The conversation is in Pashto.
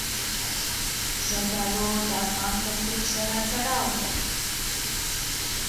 زردالو د افغان کلتور سره تړاو لري.